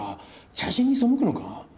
茶神に背くのか？